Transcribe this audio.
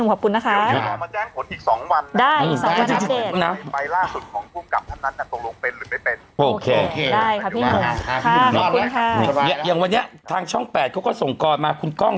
ไม่ได้นั่นก็ส่งมา